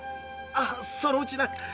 ああそのうちな。